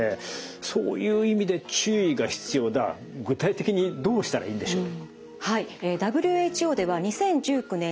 そういう意味で注意が必要だ具体的にどうしたらいいんでしょう？